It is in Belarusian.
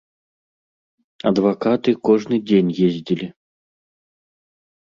Адвакаты кожны дзень ездзілі.